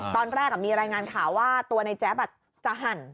ตอนแรกมีรายงานข่าวว่าตัวในแจ๊บจะหั่น